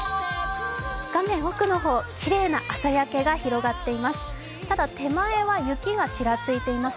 画面奥の方、きれいな朝焼けが広がっています。